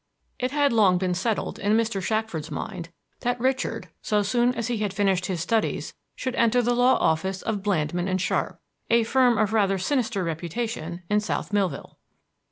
It had long been settled in Mr. Shackford's mind that Richard, so soon as he had finished his studies, should enter the law office of Blandmann & Sharpe, a firm of rather sinister reputation in South Millville.